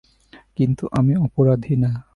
কিন্তু আমি অপরাধী না।